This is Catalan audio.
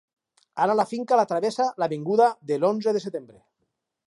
Ara la finca la travessa l'avinguda de l'Onze de Setembre.